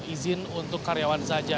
izin untuk karyawan saja